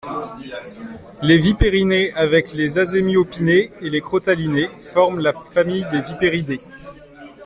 Les Viperinae avec les Azemiopinae et les Crotalinae forment la famille des Viperidae.